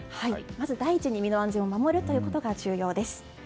まず第一に身の安全を守ることが重要です。